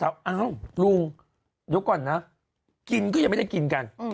หยุดก่อนนะกินก็ยังไม่ได้กินกัน